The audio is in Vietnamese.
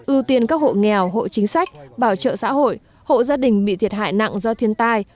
ưu tiên các hộ nghèo hộ chính sách bảo trợ xã hội hộ gia đình bị thiệt hại nặng do thiên tai